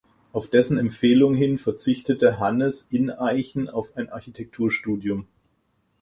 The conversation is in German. Auf dessen Empfehlung hin verzichtete Hannes Ineichen auf ein Architekturstudium.